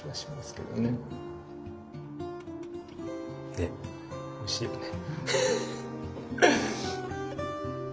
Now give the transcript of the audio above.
ねおいしいよね。